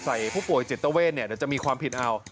ผู้ป่วยจิตเวทเนี่ยเดี๋ยวจะมีความผิดเอา